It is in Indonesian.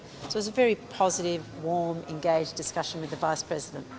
jadi ini adalah perbicaraan yang positif hangat dan bergabung dengan presiden luar negeri